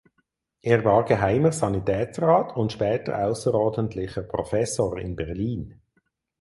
Er war Geheimer Sanitätsrat und später außerordentlicher Professor in Berlin.